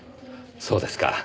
そうですか。